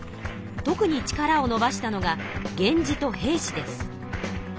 特に力をのばしたのが源氏と平氏です。